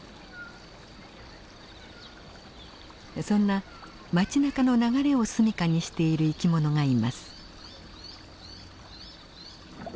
そんな町なかの流れを住みかにしている生きものがいます。